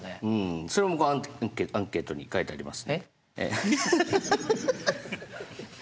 それもアンケートに書いてありますね。